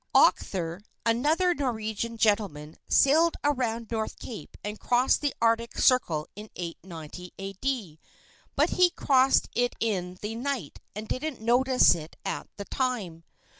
Octher, another Norwegian gentleman, sailed around North cape and crossed the arctic circle in 890 A. D., but he crossed it in the night, and didn't notice it at the time.